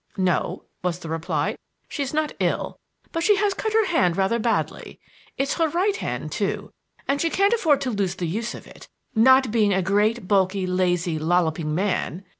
"No," was the reply, "she is not ill, but she has cut her hand rather badly. It's her right hand too, and she can't afford to lose the use of it, not being a great, bulky, lazy, lolloping man.